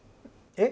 えっ。